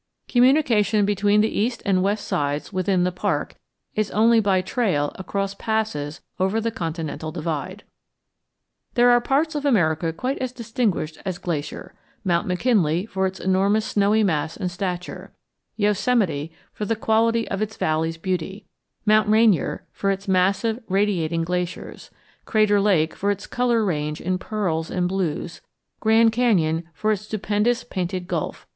Communication between the east and west sides within the park is only by trail across passes over the continental divide. There are parts of America quite as distinguished as Glacier: Mount McKinley, for its enormous snowy mass and stature; Yosemite, for the quality of its valley's beauty; Mount Rainier, for its massive radiating glaciers; Crater Lake, for its color range in pearls and blues; Grand Canyon, for its stupendous painted gulf.